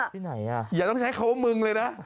ที่ไหนอ่ะอย่าต้องใช้เขาว่าเมืองเลยนะ